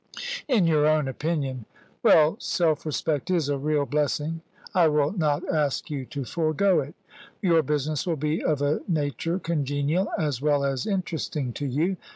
"In your own opinion. Well, self respect is a real blessing: I will not ask you to forego it. Your business will be of a nature congenial as well as interesting to you.